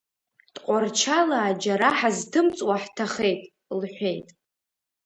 Тҟәарчалаа џьара ҳазҭымҵуа ҳҭахеит, лҳәеит.